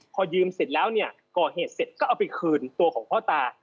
พอยืมเสร็จแล้วเนี่ยก่อเหตุเสร็จก็เอาไปคืนตัวของพ่อตา